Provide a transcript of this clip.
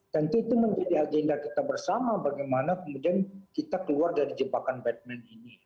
tentu itu menjadi agenda kita bersama bagaimana kemudian kita keluar dari jebakan batman ini